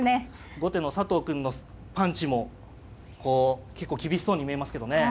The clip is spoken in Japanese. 後手の佐藤くんのパンチもこう結構厳しそうに見えますけどね。